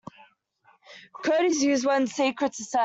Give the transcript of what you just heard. Code is used when secrets are sent.